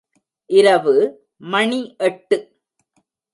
இரவு மணி எட்டு.